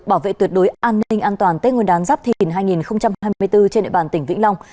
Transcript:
bảo vệ tuyệt đối an ninh an toàn tết nguyên đán giáp thìn hai nghìn hai mươi bốn trên địa bàn tỉnh vĩnh long